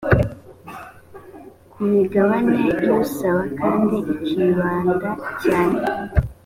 ku migabane y usaba kandi ikibanda cyane